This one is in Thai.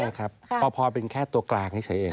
ใช่ครับพอเป็นแค่ตัวกลางเฉยเอง